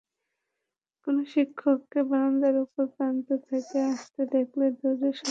কোনো শিক্ষককে বারান্দার ওপর প্রান্ত থেকে আসতে দেখলেই দৌড়ে সোজা ক্লাসের মধ্যে।